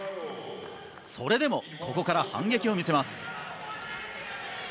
それでもここから反撃を見せます。